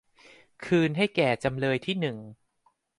คืนให้แก่จำเลยที่หนึ่ง